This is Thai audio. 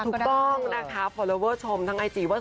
ตุ๊กป้องนะคะฟอร์ลอเวอร์ชมทางไอจีว่า